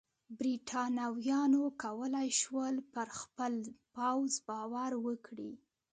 برېټانویانو کولای شول پر خپل پوځ باور وکړي.